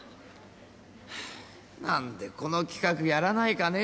「あーなんでこの企画やらないかねえ」